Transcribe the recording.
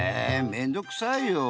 めんどうくさいよ！